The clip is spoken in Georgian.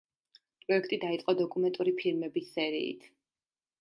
პროექტი დაიწყო დოკუმენტური ფილმების სერიით.